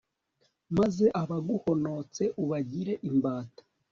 maze abaguhonotse ubagire imbata